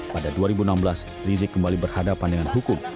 pada dua ribu enam belas rizik kembali berhadapan dengan hukum